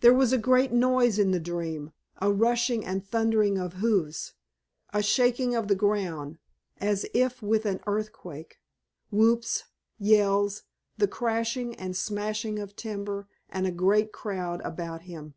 There was a great noise in the dream, a rushing and thundering of hoofs, a shaking of the ground, as if with an earthquake, whoops, yells, the crashing and smashing of timber, and a great crowd about him.